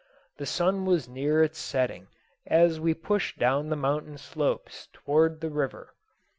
The sun was near its setting as we pushed down the mountain slopes towards the river.